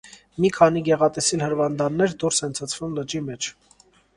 Մի քանի գեղատեսիլ հրվանդաններ դուրս են ցցվում լճի մեջ։